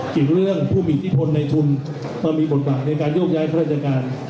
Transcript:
เกี่ยวเรื่องผู้มีอิทธิพลในทุนก็มีบทบาทในการโยกย้ายข้าราชการ